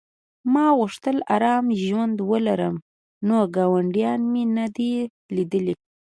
ما غوښتل ارام ژوند ولرم نو ګاونډیان مې نه دي لیدلي